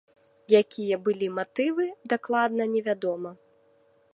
Якія былі матывы, дакладна невядома.